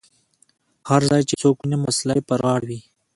هر ځای چې څوک وینم وسله یې پر غاړه وي.